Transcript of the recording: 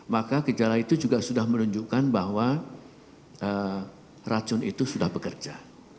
maka gejala itu juga sudah menunjukkan bahwa racun itu sudah bekerja